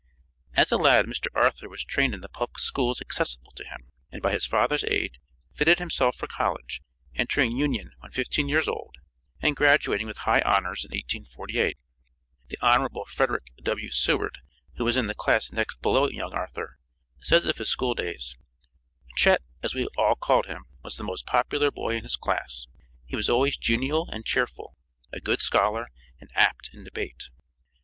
As a lad, Mr. Arthur was trained in the public schools accessible to him, and by his father's aid, fitted himself for college, entering Union when fifteen years old, and graduating with high honors in 1848. The Hon. Frederick W. Seward, who was in the class next below young Arthur, says of his school days: "Chet, as we all called him, was the most popular boy in his class. He was always genial and cheerful, a good scholar, and apt in debate."